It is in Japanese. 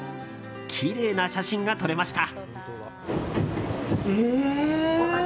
きれいな写真が撮れました。